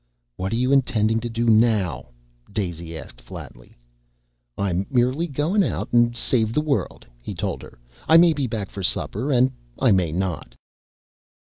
"What are you intending to do now?" Daisy asked flatly. "I'm merely goin' out an' save the world," he told her. "I may be back for supper and I may not."